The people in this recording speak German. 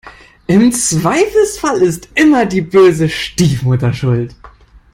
Im Zweifelsfall ist immer die böse Stiefmutter schuld.